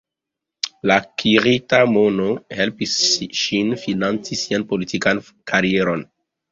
La akirita mono helpis ŝin financi sian politikan karieron.